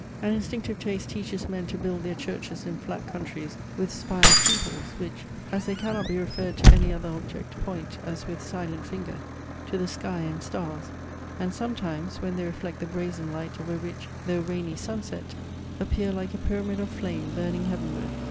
An instinctive taste teaches men to build their churches in flat countries with spire steeples, which, as they cannot be referred to any other object, point, as with silent finger, to the sky and stars, and sometimes, when they reflect the brazen light of a rich though rainy sun set, appear like a pyramid of flame burning heavenward.